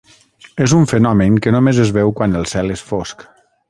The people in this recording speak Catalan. És un fenomen que només es veu quan el cel és fosc.